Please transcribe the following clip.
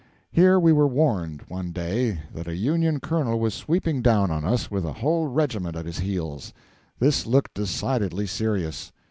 Here we were warned, one day, that a Union colonel was sweeping down on us with a whole regiment at his heels. This looked decidedly serious.